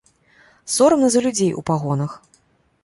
Сорамна за людзей у пагонах.